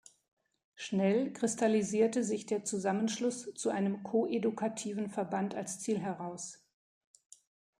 Schnell kristallisierte sich der Zusammenschluss zu einem koedukativen Verband als Ziel heraus.